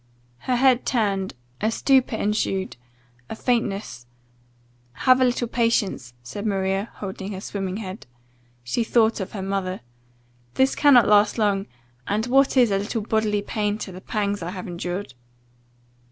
Her head turned; a stupor ensued; a faintness 'Have a little patience,' said Maria, holding her swimming head (she thought of her mother), 'this cannot last long; and what is a little bodily pain to the pangs I have endured?